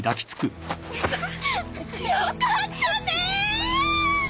よかったねぇ！